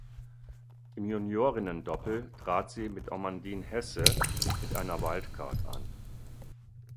Im Juniorinnendoppel trat sie mit Amandine Hesse mit einer Wildcard an.